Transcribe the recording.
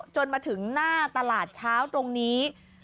จนมาถึงหน้าตลาดเช้าตรงนี้